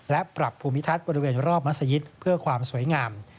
และปรับภูมิทัศน์บริเวณรอบมัศยิตเพื่อความสวยงาม